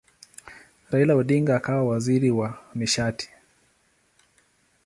Raila Odinga akawa waziri wa nishati.